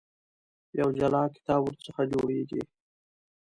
یو جلا کتاب ورڅخه جوړېږي.